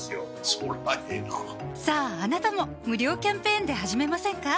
そりゃええなさぁあなたも無料キャンペーンで始めませんか？